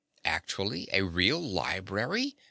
Actually a real library!